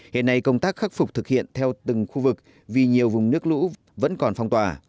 hiện nay công tác khắc phục thực hiện theo từng khu vực vì nhiều vùng nước lũ vẫn còn phong tỏa